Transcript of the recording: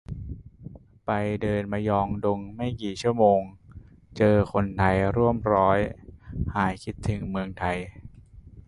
ไปเดินมยองดงไม่กี่ชั่วโมง เจอคนไทยร่วมร้อย หายคิดถึงเมืองไทย